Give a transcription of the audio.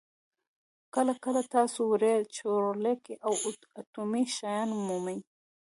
کله کله تاسو وړې چورلکې او اټومي شیان مومئ